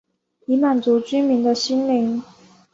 以满足居民的心灵